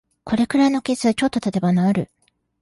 これくらいの傷、ちょっとたてば治る